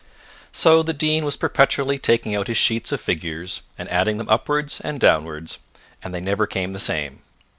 So the Dean was perpetually taking out his sheets of figures, and adding them upwards and downwards, and they never came the same.